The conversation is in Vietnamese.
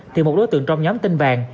thì một đối tượng trong nhóm tên vàng